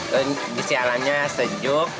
kondisi alamnya sejuk